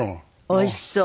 おいしそう。